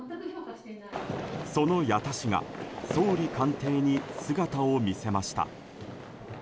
その矢田氏が総理官邸に姿を見せました。